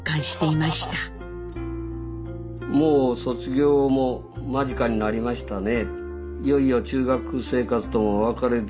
「もう卒業もまじかになりましたね」。